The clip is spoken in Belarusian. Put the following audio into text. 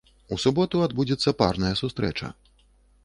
У суботу адбудзецца парная сустрэча.